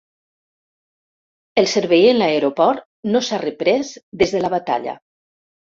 El servei en l'aeroport no s'ha reprès des de la batalla.